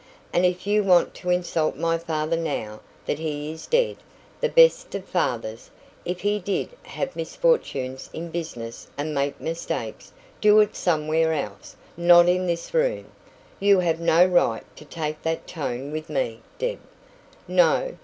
And if you want to insult my father now that he is dead the best of fathers, if he did have misfortunes in business and make mistakes do it somewhere else, not in this room." "You have no right to take that tone with me, Deb." "No?"